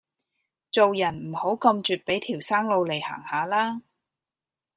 做人唔好咁絕俾條生路嚟行吓啦